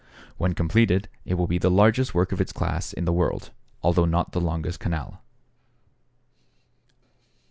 When completed, it will be the largest work of its class in the world, although not the longest canal.